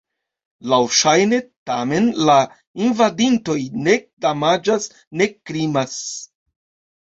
Laŭŝajne, tamen, la invadintoj nek damaĝas nek krimas.